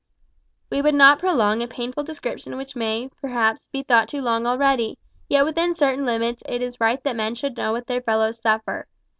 We would not prolong a painful description which may, perhaps, be thought too long already yet within certain limits it is right that men should know what their fellows suffer.